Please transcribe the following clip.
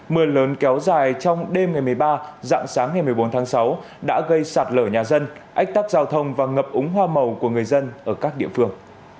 mưa lớn kéo dài trong đêm ngày một mươi ba dạng sáng ngày một mươi bốn tháng sáu đã gây sạt lở nhà dân ách tắc giao thông và ngập úng hoa màu của người dân ở các địa phương